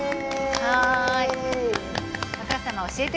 はい。